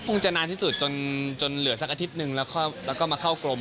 จะนานที่สุดจนเหลือสักอาทิตย์หนึ่งแล้วก็มาเข้ากรม